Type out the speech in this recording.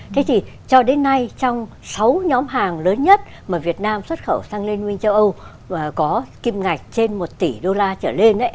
thế thì cho đến nay trong sáu nhóm hàng lớn nhất mà việt nam xuất khẩu sang liên minh châu âu có kim ngạch trên một tỷ đô la trở lên